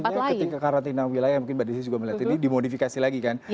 berarti asumsinya ketika karantina wilayah mungkin mbak desy juga melihat ini dimodifikasi lagi kan